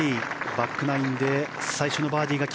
バックナインで最初のバーディー。